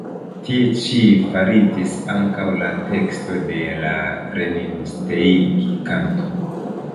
Tie ĉi faritis ankaŭ la teksto de la "Rennsteig-kanto".